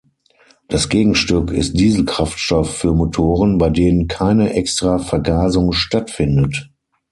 Das Gegenstück ist Dieselkraftstoff für Motoren, bei denen keine extra Vergasung stattfindet.